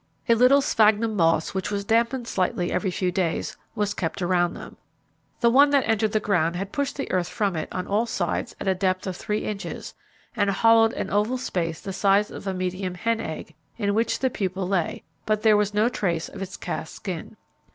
A little sphagnum moss, that was dampened slightly every few days, was kept around them. The one that entered the ground had pushed the earth from it on all, sides at a depth of three inches, and hollowed an oval space the size of a medium hen egg, in which the pupa lay, but there was no trace of its cast skin.